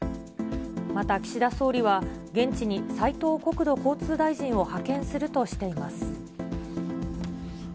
また岸田総理は、現地に斉藤国土交通大臣を派遣するとしています。